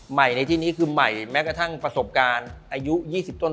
ในที่นี้คือใหม่แม้กระทั่งประสบการณ์อายุ๒๐ต้น